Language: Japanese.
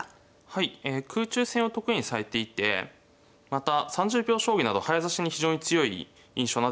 はいえ空中戦を得意にされていてまた３０秒将棋など早指しに非常に強い印象のある先生です。